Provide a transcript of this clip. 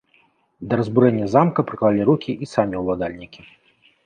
Да разбурэння замка прыклалі рукі і самі ўладальнікі.